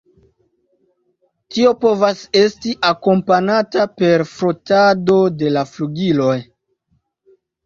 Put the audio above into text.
Tio povas esti akompanata per frotado de la flugiloj.